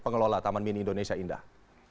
pengelola taman mini indonesia indah